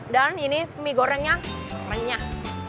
dan ini mie gorengnya renyah